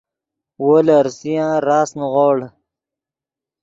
وو لے ریسیان راست نیغوڑ